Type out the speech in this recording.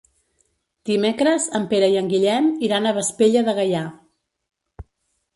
Dimecres en Pere i en Guillem iran a Vespella de Gaià.